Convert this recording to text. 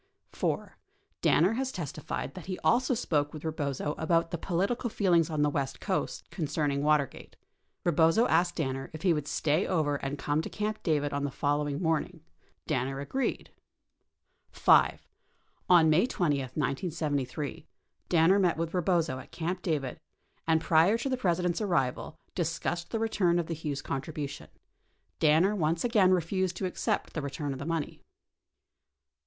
4. Danner has testified that he also spoke with Eebozo about the political feelings on the west coast concerning Watergate. Ee bozo asked Danner if he would stay over and come to Camp David on the following morning. Danner agreed. 5. On May 20, 1973, Danner met with Eebozo at Camp David and prior to the President's arrival discussed the return of the Hughes contribution. Danner once again refused to accept the return of the money.